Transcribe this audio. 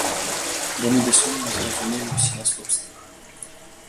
Бо мы да сёння не зразумелі ўсе наступствы.